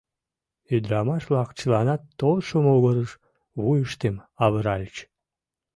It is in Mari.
Ӱдырамаш-влак чыланат толшо могырыш вуйыштым авыральыч.